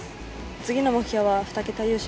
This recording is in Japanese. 次の目標は、２桁優勝。